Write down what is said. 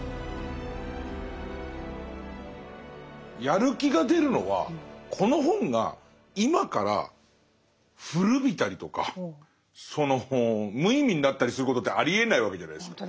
やる気が出るのはこの本が今から古びたりとかその無意味になったりすることってありえないわけじゃないですか。